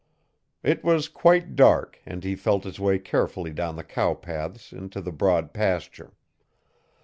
It was quite dark and he felt his way carefully down the cow paths into the broad pasture.